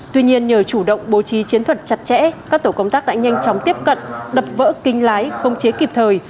tuy nhiên nhờ chủ động bố trí chiến thuật chặt chẽ các tổ công tác đã nhanh chóng tiếp cận đập vỡ kính lái không chế kịp thời